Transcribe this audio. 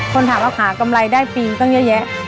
คนถามว่าหากำไรได้ปีตั้งเยอะแยะ